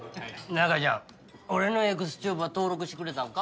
中ちゃん俺のＥｘＴｕｂｅは登録してくれたんか？